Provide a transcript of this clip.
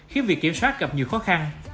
khiến việc kiểm soát gặp nhiều khó khăn